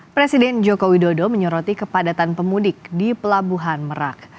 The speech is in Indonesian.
presiden joko widodo menyoroti kepadatan pemudik di pelabuhan merak